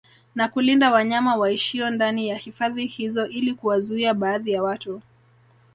Na kulinda wanyama waishio ndani ya hifadhi hizo ili kuwazuia baadhi ya watu